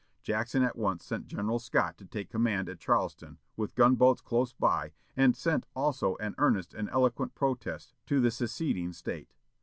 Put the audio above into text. Jackson at once sent General Scott to take command at Charleston, with gun boats close by, and sent also an earnest and eloquent protest to the seceding State.